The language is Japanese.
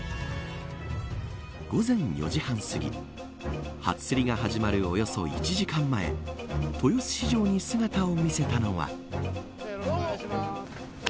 午前４時半過ぎ初競りが始まるおよそ１時間前豊洲市場に姿を見せたのは。